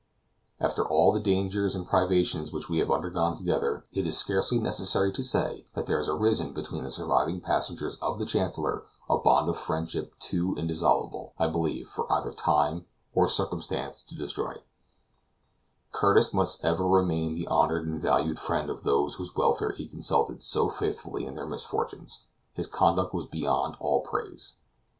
After all the dangers and privations which we have undergone together, it is scarcely necessary to say that there has arisen between the surviving passengers of the Chancellor a bond of friendship too indissoluble, I believe, for either time or circumstance to destroy; Curtis must ever remain the honored and valued friend of those whose welfare he consulted so faithfully in their misfortunes; his conduct was beyond all praise.